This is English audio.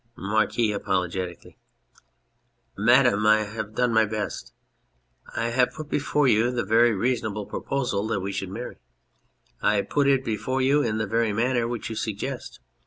MARQUIS (apologetically). Madam, I have done my best. I have put before you the very reasonable proposal that we should marry. I put it before you in the very manner which you suggest.